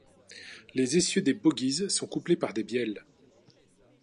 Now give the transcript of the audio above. Les essieux des bogies sont couplés par des bielles.